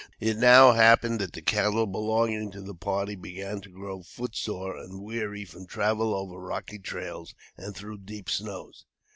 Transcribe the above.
It now happened that the cattle belonging to the party began to grow foot sore and weary from travel over rocky trails and through deep snows.